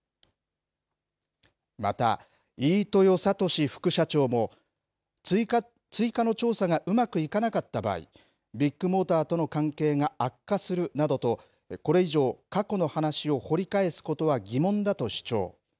また、飯豊聡副社長も、追加の調査がうまくいかなかった場合、ビッグモーターとの関係が悪化するなどと、これ以上、過去の話を掘り返すことは疑問だと主張。